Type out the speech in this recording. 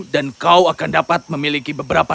dan kau akan dapat memiliki beberapa